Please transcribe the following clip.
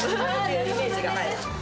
イメージがない。